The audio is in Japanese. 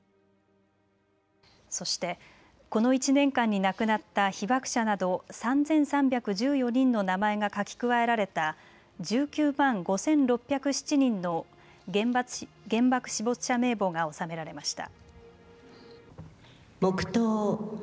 そして、この１年間に亡くなった被爆者など３３１４人の名前が書き加えられた１９万５６０７人の原爆死没者名簿が納められました。